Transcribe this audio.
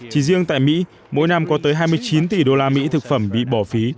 chỉ riêng tại mỹ mỗi năm có tới hai mươi chín tỷ đô la mỹ thực phẩm bị bỏ phí